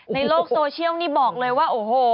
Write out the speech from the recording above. ในโลกโซเชียลนี่บอกเลยว่าโอ้โห